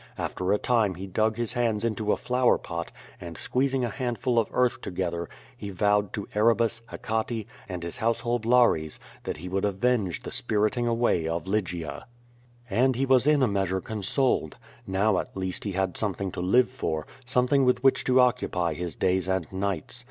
After a time he dug his hands into a flower pot, and squeezing a handful of earth together, he vowed to Erebus, Hecate, and his household lares, that he would avenge the spiriting away of Lygia. Q2 QVO VADIH, And he was in a measure consoled. Now at least he had something to live for — something with which to occupy his days and nights.